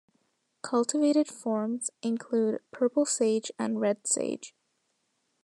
Cultivated forms include purple sage and red sage.